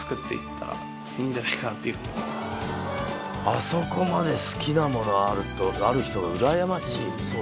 あそこまで好きなものある人がうらやましい。